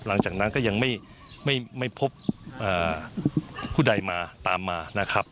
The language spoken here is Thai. หลังจากนั้นก็ยังไม่พบผู้ใดมาตามมานะครับ